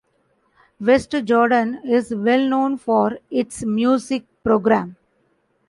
West Jordan is well known for its music program.